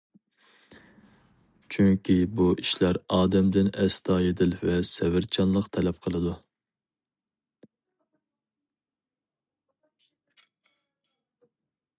چۈنكى بۇ ئىشلار ئادەمدىن ئەستايىدىل ۋە سەۋرچانلىق تەلەپ قىلىدۇ.